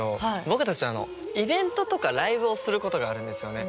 僕たちイベントとかライブをすることがあるんですよね。